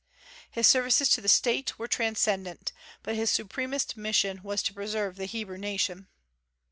His services to the state were transcendent, but his supremest mission was to preserve the Hebrew nation.